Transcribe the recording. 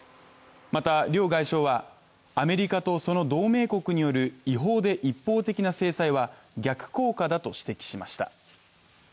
また両外相は、アメリカとその同盟国による違法で一方的な制裁は逆効果だと指摘しました。